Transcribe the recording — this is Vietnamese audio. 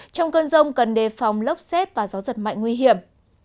trong cơn rông cần đề phòng lốc xét và gió giật mạnh nguy hiểm